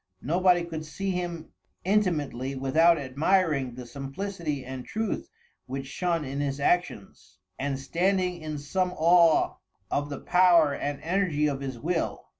Nobody could see him intimately without admiring the simplicity and truth which shone in his actions, and standing in some awe of the power and energy of his will.